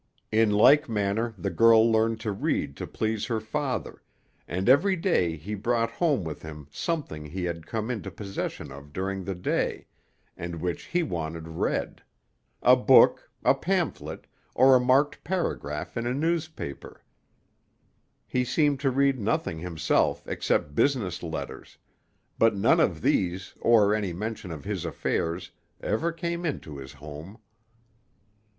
In like manner the girl learned to read to please her father, and every day he brought home with him something he had come into possession of during the day, and which he wanted read; a book, a pamphlet, or a marked paragraph in a newspaper, he seemed to read nothing himself except business letters; but none of these, or any mention of his affairs, ever came into his home.